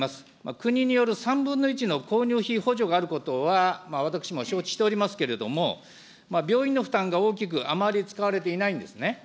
国による３分の１の購入費補助があることは、私も承知しておりますけれども、病院の負担が大きく、あまり使われていないんですね。